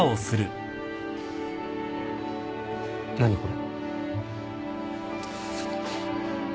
何これ？